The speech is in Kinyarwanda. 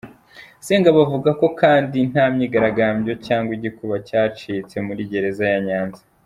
Sengabo avuga ko kandi ko nta myigaragambyo cyangwa igikuba cyacitse muri gereza ya Nyanza.